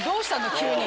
急に。